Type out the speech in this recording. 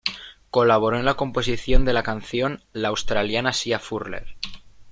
Colaboró en la composición de la canción, la australiana Sia Furler.